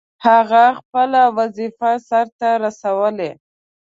هغه خپله وظیفه سرته رسولې.